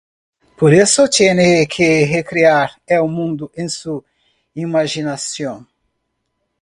Por eso, tiene que recrear el mundo en su imaginación.